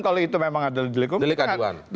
kalau itu memang adalah delik aduan